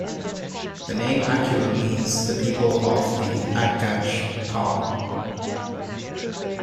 The name Achuar means "the people of the aguaje palm".